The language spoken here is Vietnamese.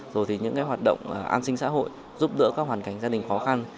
rồi thì những hoạt động an sinh xã hội giúp đỡ các hoàn cảnh gia đình khó khăn